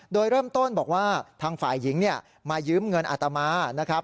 โดยเริ่มต้นบอกว่าทางฝ่ายหญิงมายืมเงินอัตมานะครับ